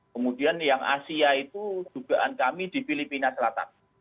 kemudian yang asia itu dugaan kami di filipina selatan